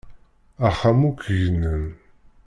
Axxam akk gnen.